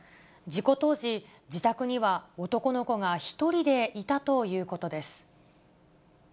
事故当時、自宅には男の子が１人でいたということです。